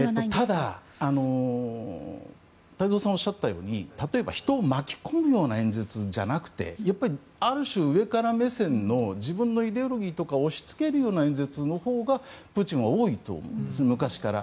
ただ、太蔵さんがおっしゃったように例えば、人を巻き込むような演説じゃなくてやっぱりある種、上から目線の自分のイデオロギーとかを押しつけるような演説のほうがプーチンは多いと思うんです昔から。